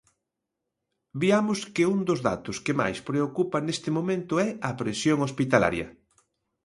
Viamos que un dos datos que máis preocupa neste momento é a presión hospitalaria.